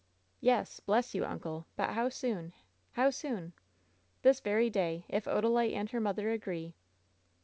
"Yes, bless you, uncle! But how soon? How soon!" "This very day, if Odalite and her mother agree."